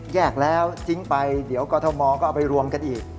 แยกแล้วทิ้งไปเดี๋ยวกรทมก็เอาไปรวมกันอีก